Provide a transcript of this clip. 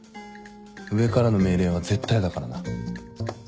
上からの命令は絶対だからな。